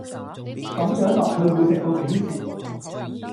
咁樣落去會食到幾時